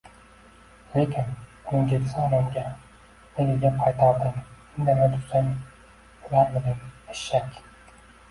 Lekin, uning keksa onamga nega gap qaytarding, indamay tursang o`larmiding, eshak